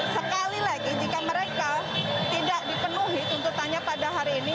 sekali lagi jika mereka tidak dipenuhi tuntutannya pada hari ini